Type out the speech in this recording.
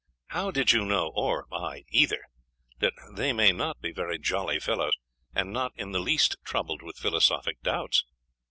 How did you know, or I either, that they may not be very jolly fellows, and not in the least troubled with philosophic doubts?....